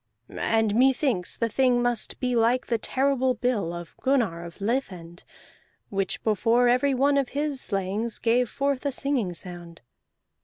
And methinks the thing must be like the terrible bill of Gunnar of Lithend, which before every one of his slayings gave forth a singing sound.